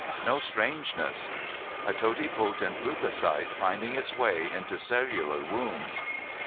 No strangeness.... A toti potent leucocyte finding its way into cellular wombs.